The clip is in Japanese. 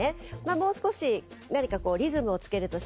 もう少し何かこうリズムをつけるとしたら。